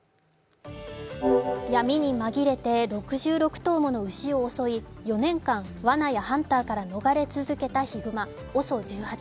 闇にまぎれて６６頭もの牛を襲い４年間、わなやハンターから逃れ続けたヒグマ、ＯＳＯ１８。